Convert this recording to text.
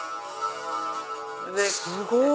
すごい！